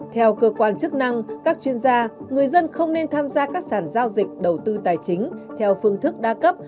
theo cơ quan chức năng các chuyên gia người dân không nên tham gia các sản giao dịch đầu tư tài chính theo phương thức đa cấp